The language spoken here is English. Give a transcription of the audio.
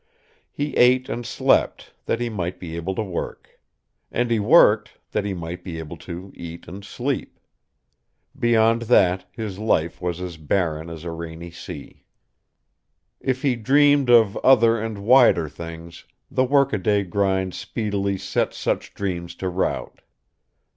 He ate and slept, that he might be able to work. And he worked, that he might be able to eat and sleep. Beyond that, his life was as barren as a rainy sea. If he dreamed of other and wider things, the workaday grind speedily set such dreams to rout.